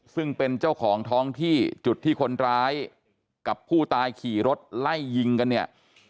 ซึ่งเป็นเจ้าของท้องที่จุดที่คนร้ายกับผู้ตายขี่รถไล่ยิงกันเนี่ย